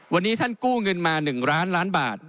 วันนี้ท่านกู้เงินมา๑ล้านล้านบาท